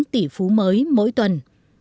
bốn tỷ phú mới mỗi tuần